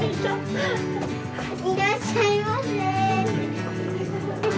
いらっしゃいませ。